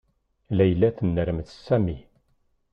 Layla tennermes Sami.